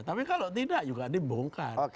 tapi kalau tidak juga dibongkar